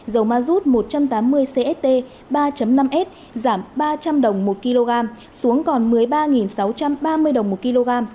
dầu ma rút một trăm tám mươi cst ba năm s giảm ba trăm linh đồng một kg xuống còn một mươi ba sáu trăm ba mươi đồng một kg